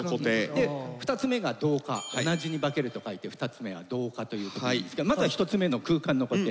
「同じ」に「化ける」と書いて２つ目は同化ということなんですけどまずは１つ目の空間の固定。